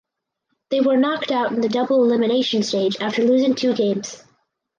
They were knocked out in the double elimination stage after losing two games.